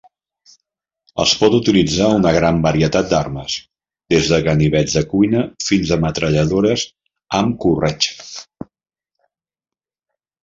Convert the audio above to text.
Es pot utilitzar una gran varietat d'armes, des de ganivets de cuina fins a metralladores amb corretja.